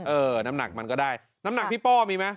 น้ำหนักมันก็ได้น้ำหนักพี่ป้อมีไหม